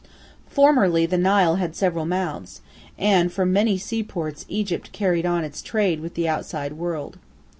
] Formerly the Nile had several mouths, and from many seaports Egypt carried on its trade with the outside world.